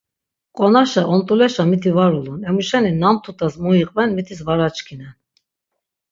Qonaşa ont̆uleşa miti var ulun, emu şeni nam tutas mu iqven mitis var açkinen.